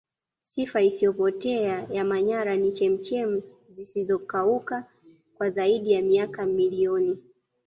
sifa isiyopotea ya manyara ni chemchem zisizokauka kwa zaidi ya miaka milioni